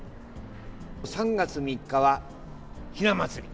３月３日は、ひな祭り。